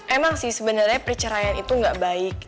emang sih sebenarnya perceraian itu gak baik